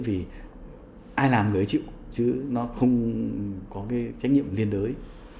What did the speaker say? thì ai làm người ấy chịu chứ nó không có cái trách nhiệm liên đối